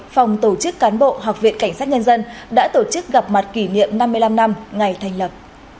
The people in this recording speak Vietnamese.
phòng tổ chức cán bộ học viện cảnh sát nhân dân đã tổ chức gặp mặt kỷ niệm năm mươi năm năm ngày thành lập